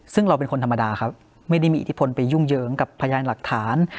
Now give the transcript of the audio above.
ซึ่งเราเป็นคนธรรมดาครับไม่ได้มีอิทธิพลไปยุ่งเหยิงกับพยานหลักฐาน